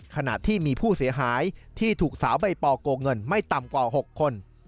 ขณะที่มีผู้เสียหายที่ถูกสาวใบปอโกงเงินไม่ต่ำกว่า๖คน